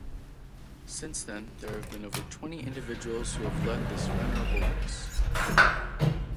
Since then there have been over twenty individuals who have led this venerable race.